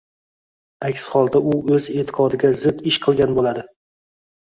Aks holda u o‘z e’tiqodiga zid ish qilgan bo‘ladi.